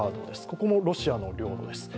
ここもロシアの領土です。